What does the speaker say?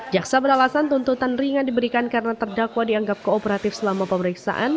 jaksa beralasan tuntutan ringan diberikan karena terdakwa dianggap kooperatif selama pemeriksaan